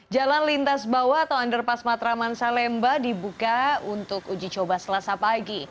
jalan lintas bawah atau underpass matraman salemba dibuka untuk uji coba selasa pagi